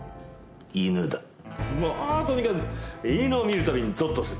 もうとにかく犬を見る度にゾッとする。